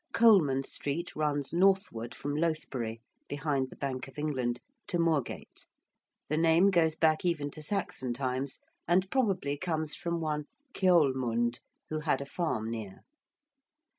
~Coleman Street~ runs northward from Lothbury (behind the Bank of England) to Moorgate. The name goes back even to Saxon times, and probably comes from one Ceolmund, who had a farm near.